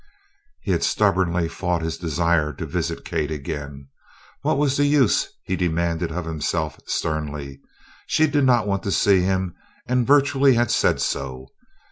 He had stubbornly fought his desire to visit Kate again. What was the use, he demanded of himself sternly. She did not want to see him and virtually had said so.